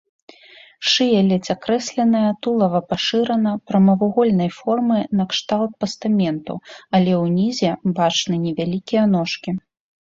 Шыя ледзь акрэсленая, тулава пашырана, прамавугольнай формы накшталт пастаменту, але ўнізе бачны невялікія ножкі.